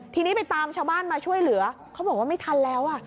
ทีนี้ไปตามชาวบ้านมาช่วยเหลือเขาบอกว่าไม่ทันแล้ว